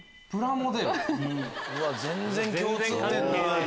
全然共通点ない！